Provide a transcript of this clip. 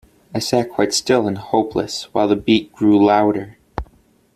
I sat quite still and hopeless while the beat grew louder.